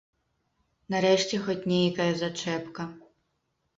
Нарэшце хоць нейкая зачэпка.